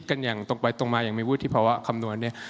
แล้วก็คิดกันอย่างตรงไปตรงมาอย่างมีวุฒิภาวะคำนวณเนี่ย